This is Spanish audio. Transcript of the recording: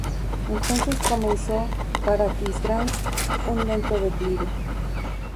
Entonces comenzó para Aquisgrán un lento declive.